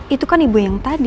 itu kan ibu yang tadi